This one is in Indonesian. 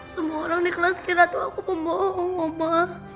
semua orang di kelas kira tuh aku pembohong omah